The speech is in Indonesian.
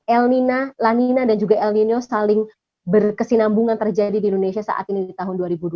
elmina lanina dan juga el nino saling berkesinambungan terjadi di indonesia saat ini di tahun dua ribu dua puluh